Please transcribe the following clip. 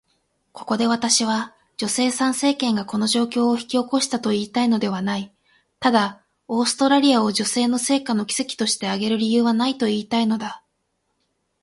ここで私は、女性参政権がこの状況を引き起こしたと言いたいのではない。ただ、オーストラリアを女性の成果の奇跡として挙げる理由はないと言いたいのだ。